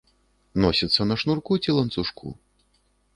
Носіцца на шнурку ці ланцужку.